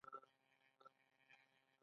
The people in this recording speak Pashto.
ته را وښیه چې څه ډول ویډیو ده؟